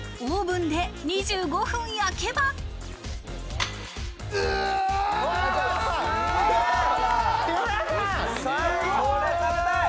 オーブンで２５分焼けば。